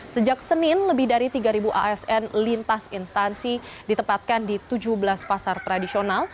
sejak senin lebih dari tiga asn lintas instansi ditempatkan di tujuh belas pasar tradisional